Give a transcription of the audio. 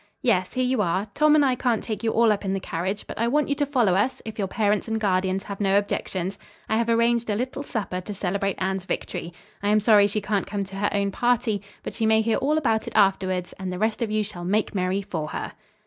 "Yes, here you are. Tom and I can't take you all up in the carriage, but I want you to follow us, if your parents and guardians have no objections. I have arranged a little supper to celebrate Anne's victory. I am sorry she can't come to her own party, but she may hear all about it afterwards and the rest of you shall make merry for her."